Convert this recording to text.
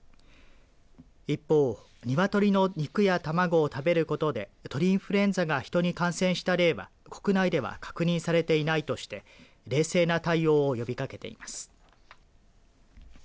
一方、鶏の肉や卵を食べることで鳥インフルエンザが人に感染した例は国内では確認されていないとして冷静な対応を呼びかけています。